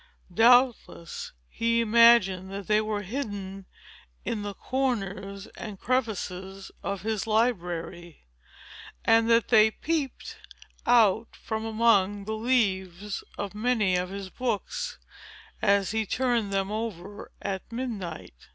Doubtless he imagined that they were hidden in the corners and crevices of his library, and that they peeped out from among the leaves of many of his books, as he turned them over, at midnight.